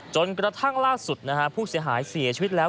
จนกระทั่งล่าสุดนะฮะผู้เสียหายเสียชีวิตแล้ว